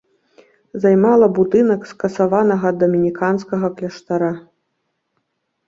Займала будынак скасаванага дамініканскага кляштара.